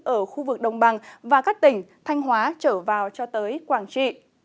ở khu vực đồng bằng và các tỉnh thanh hóa trở vào cho tới quảng trị